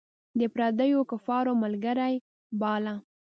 د پردیو کفارو ملګری باله.